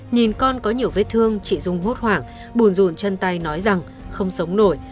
nhìn con có nhiều vết thương chị dung hốt hoảng buồn ruột chân tay nói rằng không sống nổi